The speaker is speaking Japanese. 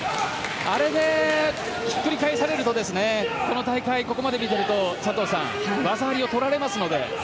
あれでひっくり返されるとこの大会、ここまで見ていると佐藤さん技ありをとられますので。